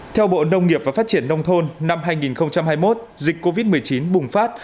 theo bộ nông nghiệp và phát triển nông thôn năm hai nghìn hai mươi một dịch covid một mươi chín bùng phát